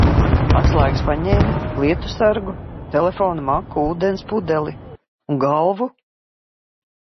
Atslēgas paņēmi? Lietussargu? Telefonu, maku, ūdens pudeli? Un galvu?